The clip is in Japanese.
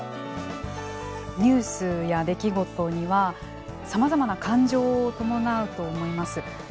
ニュースや出来事にはさまざまな感情を伴うと思います。